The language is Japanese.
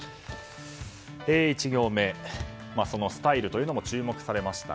１行目、そのスタイルというのも注目されました。